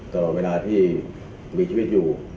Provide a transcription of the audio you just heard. ตลอดเวลาที่มีชีวิตอยู่